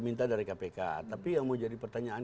minta dari kpk tapi yang mau jadi pertanyaan